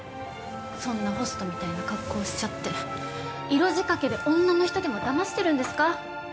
そんなホストみたいな格好しちゃって色仕掛けで女の人でもだましてるんですか？